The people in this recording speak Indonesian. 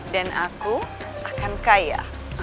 dan aku akan kaya